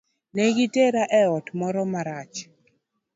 Negi tera e ot moro marach.